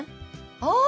ああ！